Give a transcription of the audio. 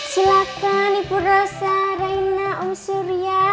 silahkan ibu rosa raina om surya